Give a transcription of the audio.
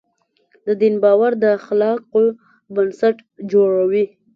د دین باور د اخلاقو بنسټ جوړوي.